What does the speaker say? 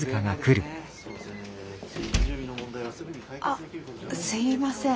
あすいません